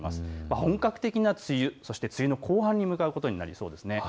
本格的な梅雨、そして梅雨の後半に向かっていくことになりそうです。